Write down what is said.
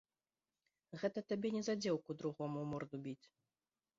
Гэта табе не за дзеўку другому ў морду біць!